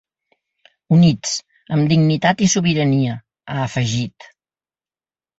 Units, amb dignitat i sobirania, ha afegit.